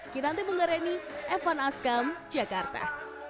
kinanti bung gareni evan askam jakarta